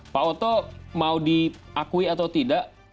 pak oto mau diakui atau tidak